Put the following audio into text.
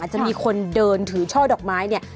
จะมีคนเดินถือช่อดอกไม้เนี่ย